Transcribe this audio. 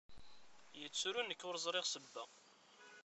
Yettru nekk ur ẓṛiɣ sebba.